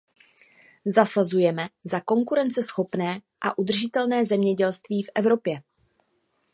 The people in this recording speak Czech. Zasazujeme za konkurenceschopné a udržitelné zemědělství v Evropě.